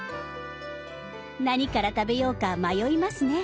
何から食べようか迷いますね。